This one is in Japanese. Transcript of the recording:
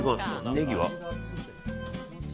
ネギは？